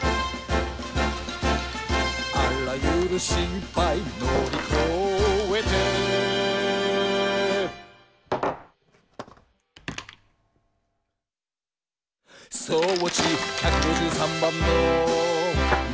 「あらゆるしっぱいのりこえてー」「装置１５３番のマーチ」